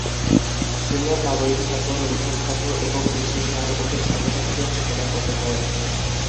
Senior নাগরিক ছাত্র, নিরীক্ষক ছাত্র এবং কিছু স্নাতকোত্তর ছাত্র-ছাত্রীকে ফি প্রদান করতে হবে।